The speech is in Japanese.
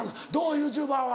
ＹｏｕＴｕｂｅｒは。